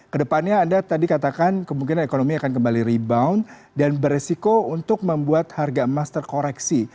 kedepannya anda tadi katakan kemungkinan ekonomi akan kembali rebound dan beresiko untuk membuat harga emas terkoreksi